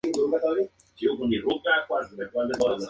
El edificio está catalogado como de Grado I por su valor arquitectónico.